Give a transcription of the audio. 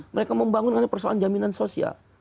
mereka membangun hanya persoalan jaminan sosial